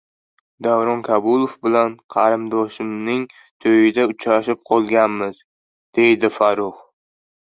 “Davron Kabulov bilan qarindoshimning to‘yida uchrashib qolganmiz”, — deydi Farruh